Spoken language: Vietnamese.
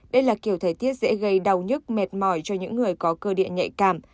đây là kiểu thời tiết dễ gây đau nhức mệt mỏi cho những người có cơ địa nhạy cảm